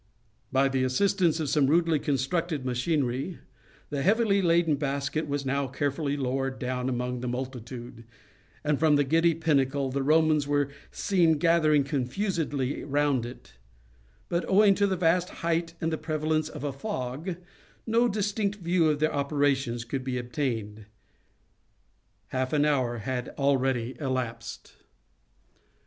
By the assistance of some rudely constructed machinery, the heavily laden basket was now carefully lowered down among the multitude; and, from the giddy pinnacle, the Romans were seen gathering confusedly round it; but owing to the vast height and the prevalence of a fog, no distinct view of their operations could be obtained. Half an hour had already elapsed.